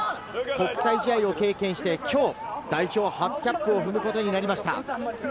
国際試合を経験して、きょう代表初キャップを踏むことになりました。